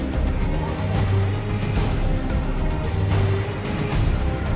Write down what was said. โปรดติดตามต่อไป